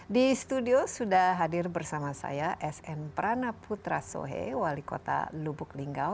di studio sudah hadir bersama saya sn pranaputra sohe wali kota lubuk linggau